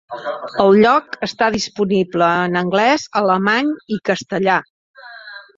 El lloc està disponible en anglès, alemany i castellà.